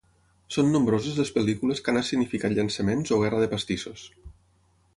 Són nombroses les pel·lícules que han escenificat llançaments o guerra de pastissos.